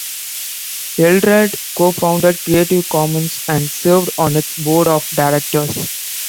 Eldred co-founded Creative Commons and served on its board of directors.